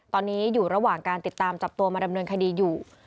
ตอนนี้อยู่ระหว่างการติดตามจับตัวมาดำเนินคดีอยู่